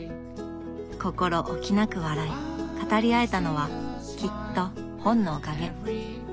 心おきなく笑い語り合えたのはきっと本のおかげ。